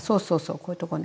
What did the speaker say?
こういうとこね。